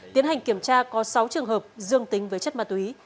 tiến hành kiểm tra có sáu trường hợp dương tính với chất ma túy